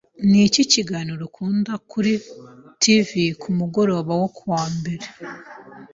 Niki kiganiro ukunda kuri TV kumugoroba wo kuwa mbere?